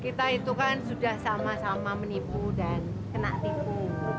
kita itu kan sudah sama sama menipu dan kena tipu